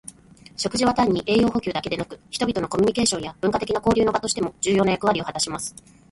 食事は単に栄養補給だけでなく、人々のコミュニケーションや文化的な交流の場としても重要な役割を果たします。